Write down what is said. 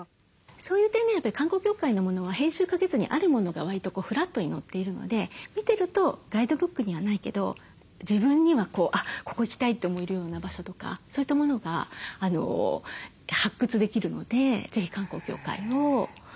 そういう点でやっぱり観光協会のものは編集かけずにあるものがわりとフラットに載っているので見てるとガイドブックにはないけど自分には「あっここ行きたい」と思えるような場所とかそういったものが発掘できるので是非観光協会を利用してほしいなと思います。